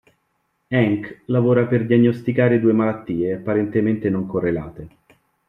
Hank lavora per diagnosticare due malattie apparentemente non correlate.